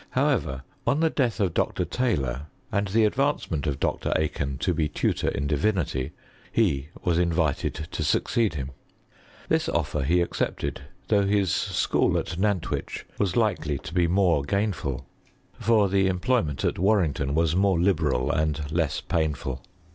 However, on the death of Dr. Taylor, and the advancement of Dr. Aiken to be tutor in divinity, he was invited to succeed bim : this offer he accepted, though his school at Nant wich was likely to be more gainful; for the em ployment at Warrington was more liberal and less painful.